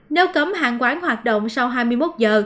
nếu cấm hàng quán hoạt động sau hai mươi một giờ